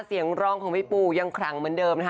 เสียงร้องของพี่ปูยังขลังเหมือนเดิมนะคะ